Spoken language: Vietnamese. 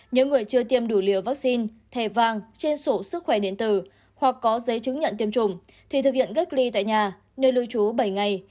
nếu người chưa tiêm đủ liều vaccine thẻ vàng trên sổ sức khỏe điện tử hoặc có giấy chứng nhận tiêm chủng thì thực hiện cách ly tại nhà nơi lưu trú bảy ngày